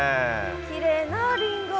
きれいなありんご。